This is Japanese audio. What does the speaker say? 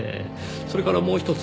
それからもうひとつ。